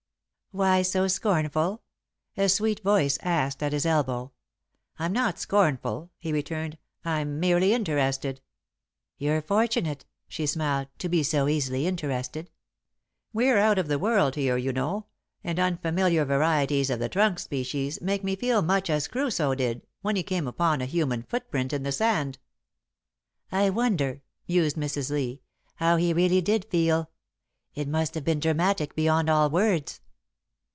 "Why so scornful?" a sweet voice asked, at his elbow. "I'm not scornful," he returned. "I'm merely interested." [Sidenote: In the Hall] "You're fortunate," she smiled, "to be so easily interested." "We're out of the world here, you know, and unfamiliar varieties of the trunk species make me feel much as Crusoe did when he came upon a human footprint in the sand." "I wonder," mused Mrs. Lee, "how he really did feel. It must have been dramatic beyond all words."